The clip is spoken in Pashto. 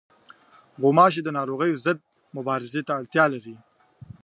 غوماشې د ناروغیو ضد مبارزې ته اړتیا لري.